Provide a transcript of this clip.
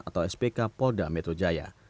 atau spk polda metro jaya